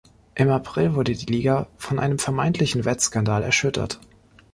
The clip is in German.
Im April wurde die Liga von einem vermeintlichen Wettskandal erschüttert.